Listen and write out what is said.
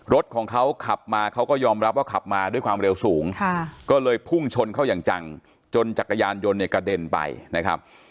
รถของเขาขับมาเขาก็ยอมรับว่าขับมาด้วยความเร็วสูงก็เลยพุ่งชนเข้าอย่างจังจนจักรยานยนต์เนี่ยกระเด็นไปนะครับ